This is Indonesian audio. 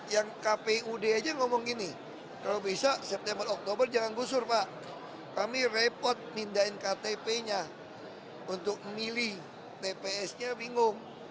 yang kpud aja ngomong gini kalau bisa september oktober jangan gusur pak kami repot mindahin ktp nya untuk milih tps nya bingung